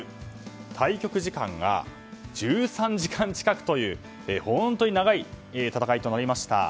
対局時間が１３時間近くという本当に長い戦いとなりました。